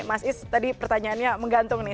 mas is tadi pertanyaannya menggantung nih